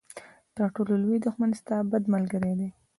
تر ټولو لوی دښمن ستا بد ملګری دی.